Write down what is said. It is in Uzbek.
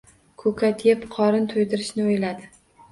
Ko‘kat yeb, qorin to‘ydirishni o‘yladi.